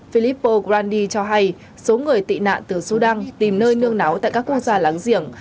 philippo grandhi cho hay số người tị nạn từ sudan tìm nơi nương náo tại các quốc gia láng giềng